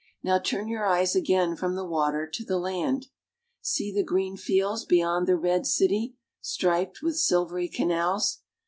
Now turn your eyes again from the water to the land. See the green fields beyond the red city, striped with silvery canals.